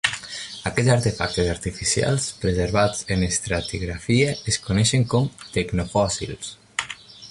Aquests artefactes artificials preservats en estratigrafia es coneixen com a "tecnofòssils".